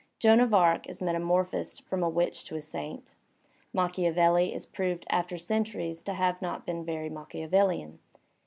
Joan of Arc is metamorphosed from a witch to a saint. Machiavelli is proved after centuries to have been not very "machiavellian.